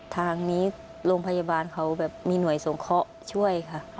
ทางนี้โรงพยาบาลเขาแบบมีหน่วยสงเคราะห์ช่วยค่ะ